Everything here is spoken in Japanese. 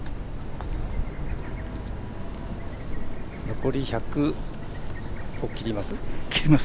残り１００を切ります？